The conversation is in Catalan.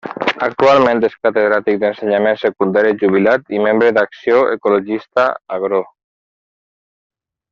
Actualment és catedràtic d'ensenyament secundari jubilat i membre d'Acció ecologista-Agró.